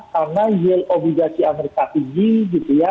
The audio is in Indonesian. karena yield obligasi amerika tg gitu ya